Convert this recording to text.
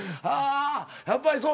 やっぱりそう。